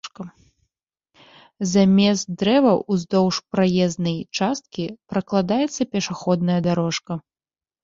Замест дрэваў ўздоўж праезнай часткі пракладаецца пешаходная дарожка.